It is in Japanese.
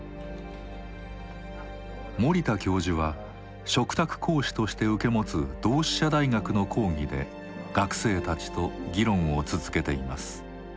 森田教授は嘱託講師として受け持つ同志社大学の講義で学生たちと議論を続けています。